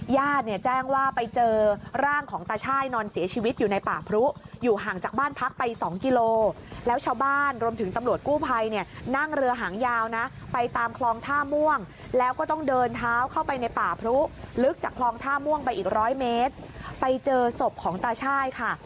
ญาติเนี่ยแจ้งว่าไปเจอร่างของตาช่ายนอนเสียชีวิตอยู่ในป่าพรุอยู่ห่างจากบ้านพักไปสองกิโลแล้วชาวบ้านรวมถึงตำรวจกู้ภัยเนี่ยนั่งเรือหางยาวนะไปตามคลองท่าม่วงแล้วก็ต้องเดินเท้าเข้าไปในป่าพรุลึกจากคลองท่าม่วงไปอีกร้อยเมตรไปเจอศพของตาช่ายค่ะ